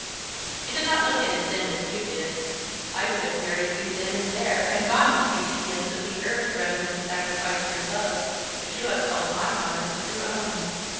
I did not look at it then as you did. I would have married you then and there and gone with you to the ends of the earth rather than sacrifice your love, but you upheld my honor with your own.